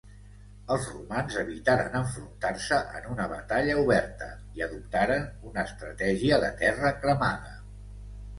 Els romans evitaren enfrontar-se en una batalla oberta i, adoptaren una estratègia de terra cremada.